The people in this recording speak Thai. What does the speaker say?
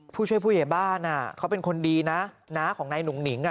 ผู้ช่วยผู้ใหญ่บ้านอ่ะเขาเป็นคนดีนะน้าของนายหนุ่งหนิงอ่ะ